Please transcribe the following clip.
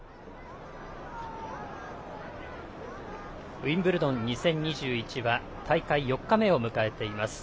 ウィンブルドン２０２１は大会４日目を迎えています。